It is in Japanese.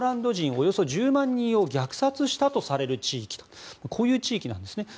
およそ１０万人を虐殺したとされる地域こういう地域なんですね。